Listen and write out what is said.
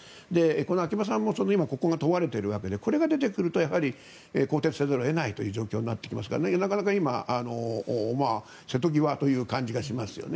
秋葉さんも今、ここが問われているわけでここが出てくると更迭せざるを得なくなってきますからなかなか今、瀬戸際という感じがしますよね。